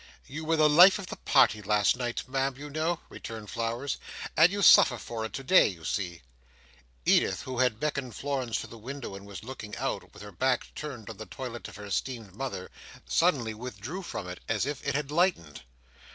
"You were the life of the party last night, Ma'am, you know," returned Flowers, "and you suffer for it today, you see." Edith, who had beckoned Florence to the window, and was looking out, with her back turned on the toilet of her esteemed mother, suddenly withdrew from it, as if it had lightened.